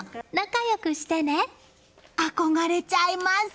憧れちゃいます。